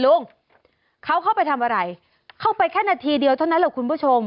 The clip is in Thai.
เมืองจังหวัดพัดทะลุงเขาเข้าไปทำอะไรเข้าไปแค่นาทีเดียวเท่านั้นเหรอคุณผู้ชม